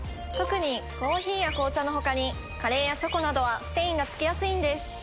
特にコーヒーや紅茶のほかにカレーやチョコなどはステインがつきやすいんです。